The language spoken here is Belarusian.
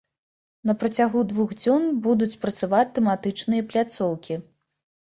На працягу двух дзён будуць працаваць тэматычныя пляцоўкі.